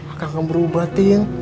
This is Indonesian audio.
akan gak berubah tin